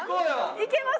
いけます